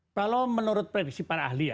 kalau menurut predisi para ahli